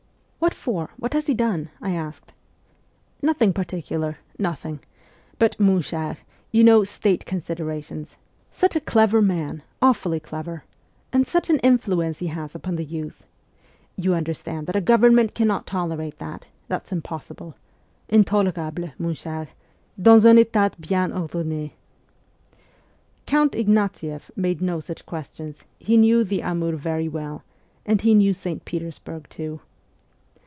' What for ? What has he done? ' I asked. ' Nothing particular ; nothing ! But, mon cher, you know, State considerations ! Such a clever man, awfully clever \, t And such an influence he has upon the youth. You understand that a Government cannot tolerate that : that's impossible ! intolerable, mon cher, dans un ]tat Hen ordonne !' Count Ignatieff made no such questions ; he knew the Amur very well, and he knew St. Petersburg too.